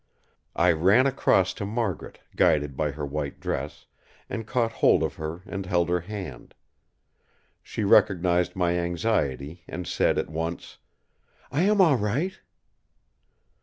I ran across to Margaret, guided by her white dress, and caught hold of her and held her hand. She recognised my anxiety and said at once: "I am all right."